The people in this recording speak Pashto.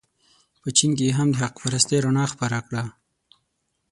په چین کې یې هم د حق پرستۍ رڼا خپره کړه.